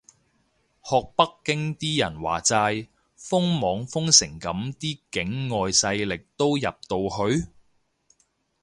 學北京啲人話齋，封網封成噉啲境外勢力都入到去？